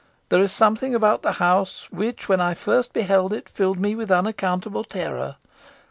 There is something about the house which, when I first beheld it, filled me with unaccountable terror.